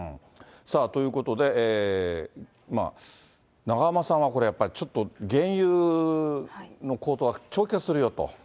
ということで、永濱さんはこれ、やっぱりちょっと原油の高騰は長期化するよと。